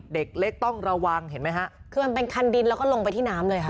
เด็กเล็กต้องระวังเห็นไหมฮะคือมันเป็นคันดินแล้วก็ลงไปที่น้ำเลยค่ะ